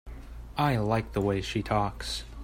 I like the way she talks.